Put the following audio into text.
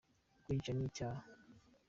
Kwica ni cyaha.